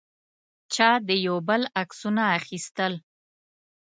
چا د یو بل عکسونه اخیستل.